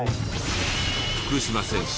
福島選手